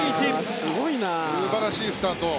素晴らしいスタート。